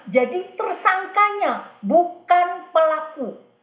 jadi tersangkanya bukan pelaku